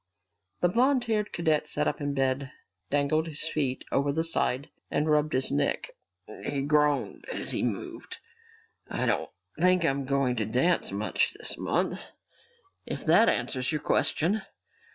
The blond haired cadet sat up in bed, dangled his feet over the side, and rubbed his neck. He groaned as he moved. "I don't think I'm going to dance much this month, if that answers your question.